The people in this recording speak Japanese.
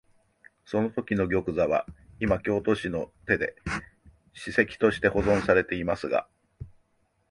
そのときの玉座は、いま京都市の手で史跡として保存されていますが、